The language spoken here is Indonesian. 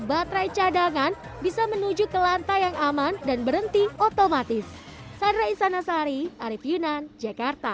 baterai cadangan bisa menuju ke lantai yang aman dan berhenti otomatis sandra insanasari arief yunan jakarta